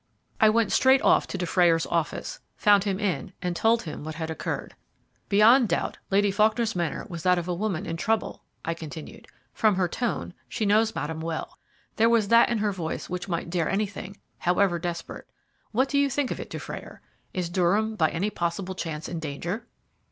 I went straight off to Dufrayer's office, found him in, and told him what had occurred. "Beyond doubt, Lady Faulkner's manner was that of a woman in trouble," I continued. "From her tone she knows Madame well. There was that in her voice which might dare anything, however desperate. What do you think of it, Dufrayer? Is Durham, by any possible chance in danger?"